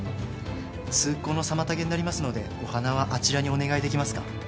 通行の妨げになりますのでお花はあちらにお願いできますか。